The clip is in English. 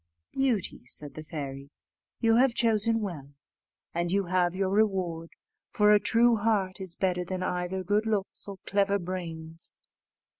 "Beauty," said the fairy, "you have chosen well, and you have your reward, for a true heart is better than either good looks or clever brains.